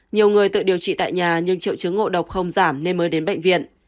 nhiều người tự điều trị tại nhà nhưng triệu chứng ngộ độc không giảm nên mới đến bệnh viện